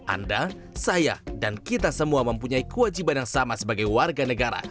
anda saya dan kita semua mempunyai kewajiban yang sama sebagai warga negara